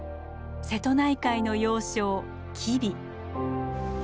瀬戸内海の要衝吉備。